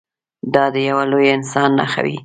دا د یوه لوی انسان نښه وي.